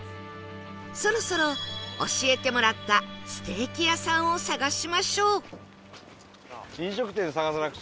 そろそろ教えてもらったステーキ屋さんを探しましょう